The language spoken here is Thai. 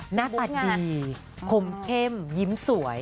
หน้าตาดีคมเข้มยิ้มสวย